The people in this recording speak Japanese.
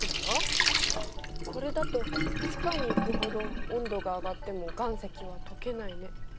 これだと地下に行くほど温度が上がっても岩石はとけないね。